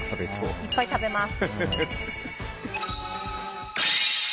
いっぱい食べます。